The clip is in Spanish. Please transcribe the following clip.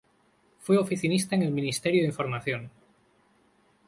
Fue oficinista en el Ministerio de Información.